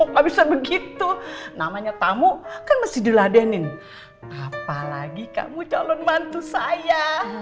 habis begitu namanya tamu kan masih diladenin apalagi kamu calon mantu saya